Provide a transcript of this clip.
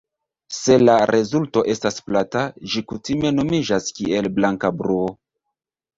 Se la rezulto estas plata, ĝi kutime nomiĝas kiel "blanka bruo".